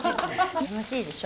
楽しいでしょ。